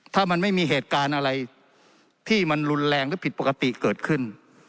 ถ้ามันไม่มีเหตุการณ์อะไรที่มันรุนแรงหรือผิดปกติเกิดขึ้น